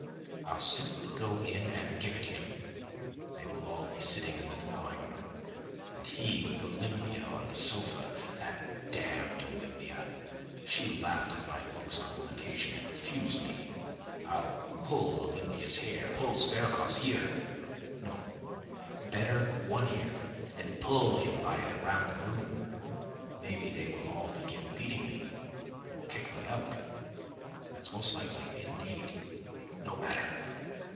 I'll simply go in and give it him. They will all be sitting in the drawing room, and he with Olympia on the sofa. That damned Olympia! She laughed at my looks on one occasion and refused me. I'll pull Olympia's hair, pull Zverkov's ears! No, better one ear, and pull him by it round the room. Maybe they will all begin beating me and will kick me out. That's most likely, indeed. No matter!